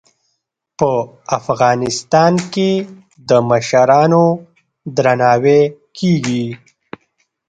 په افغانستان کې د مشرانو درناوی کیږي.